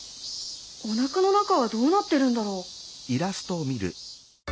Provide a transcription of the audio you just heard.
おなかの中はどうなってるんだろう？